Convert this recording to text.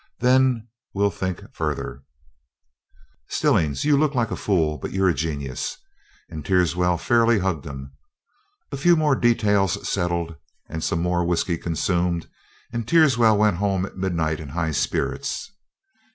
Then we'll think further." "Stillings, you look like a fool, but you're a genius." And Teerswell fairly hugged him. A few more details settled, and some more whiskey consumed, and Teerswell went home at midnight in high spirits.